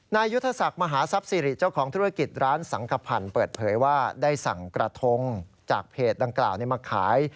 ยุทธศักดิ์มหาทรัพย์สิริเจ้าของธุรกิจร้านสังขพันธ์เปิดเผยว่าได้สั่งกระทงจากเพจดังกล่าวมาขาย